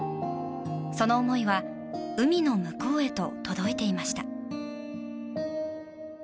その思いは海の向こうへと届いていました。